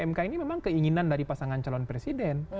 mk ini memang keinginan dari pasangan calon presiden